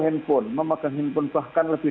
handphone memegang handphone bahkan lebih